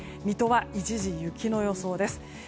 水戸は一時、雪の予想です。